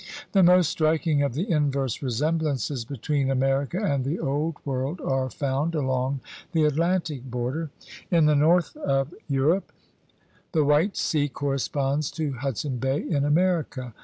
The most striking of the inverse resemblances 46 THE RED MAN'S CONTINENT between America and the Old World are found along the Atlantic border. In the north of Eu rope the White Sea corresponds to Hudson Bay in America.